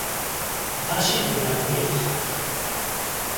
新しい扉が見えてきた